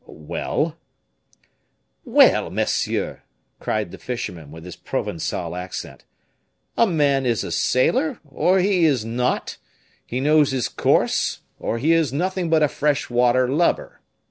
"Well?" "Well, monsieur!" cried the fisherman, with his Provencal accent, "a man is a sailor, or he is not; he knows his course, or he is nothing but a fresh water lubber.